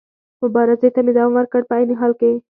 مبارزې ته مې دوام ورکړ، په عین حال کې.